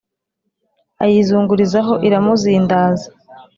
Ayizingurizaho iramuzindaza